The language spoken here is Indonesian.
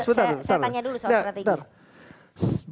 saya tanya dulu soal strategi